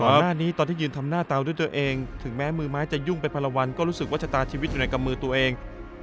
หน้านี้ตอนที่ยืนทำหน้าเตาด้วยตัวเองถึงแม้มือไม้จะยุ่งไปพันละวันก็รู้สึกว่าชะตาชีวิตอยู่ในกำมือตัวเอง